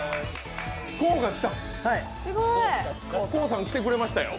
ＫＯＯさん来てくれましたよ。